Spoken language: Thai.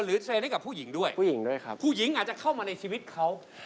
หรือเทรนด์ให้กับผู้หญิงด้วยครับผู้หญิงอาจจะเข้ามาในชีวิตเขา